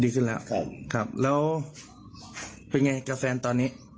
ขึ้นแล้วครับแล้วเป็นไงกับแฟนตอนนี้